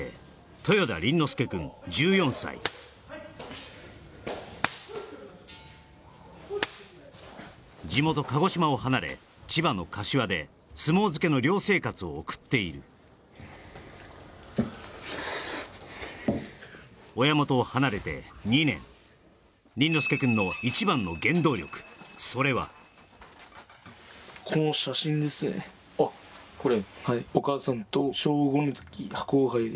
豊田倫之亮くん１４歳地元・鹿児島を離れ千葉の柏で相撲漬けの寮生活を送っている親元を離れて２年倫之亮くんのそれはあっこれ？